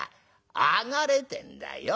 上がれってんだよ。